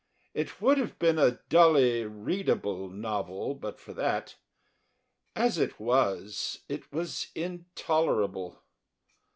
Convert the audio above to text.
It would have been a dully readable novel but for that; as it was, it was intolerable.